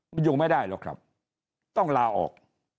มันอยู่ไม่ได้หรอกครับต้องลาออก